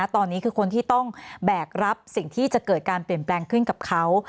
ตอนนี้คือคนที่ต้องแบกรับสิ่งที่จะเกิดการเปลี่ยนแปลงขึ้นกับเขา